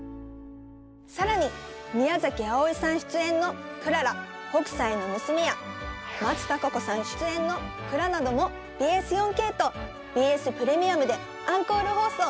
更に宮あおいさん出演の「眩北斎の娘」や松たか子さん出演の「藏」などもＢＳ４ＫとＢＳプレミアムでアンコール放送。